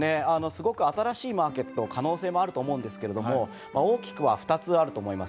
すごく新しいマーケット可能性もあると思うんですけれども大きくは２つあると思います。